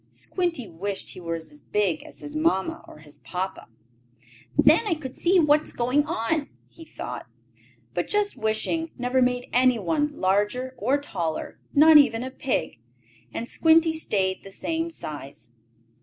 Squinty wished he were as big as his papa or his mamma. "Then I could see what is going on," he thought. But just wishing never made anyone larger or taller, not even a pig, and Squinty stayed the same size.